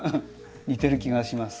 似てる気がします。